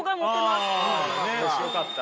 あよかった。